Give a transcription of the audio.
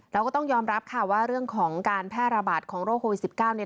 เราก็ต้องยอมรับค่ะว่าเรื่องของการแพร่ระบาดของโรคโควิด๑๙เนี่ย